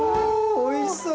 おいしそ！